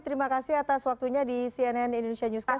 terima kasih atas waktunya di cnn indonesia newscast